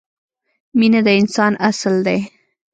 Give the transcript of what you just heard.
مینه د انسان اصل دی.